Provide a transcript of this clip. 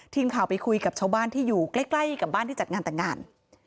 ทีมข่าวไปคุยกับชาวบ้านที่อยู่ใกล้กับบ้านที่จัดงานแต่งงาน